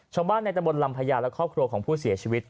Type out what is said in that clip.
ชาวบ้านในตะบนลำพญาและครอบครัวของผู้เสียชีวิต